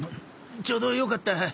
ちょうどよかった。